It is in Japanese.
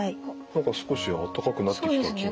何か少し温かくなってきた気が。